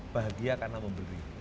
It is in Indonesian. bahagia karena memberi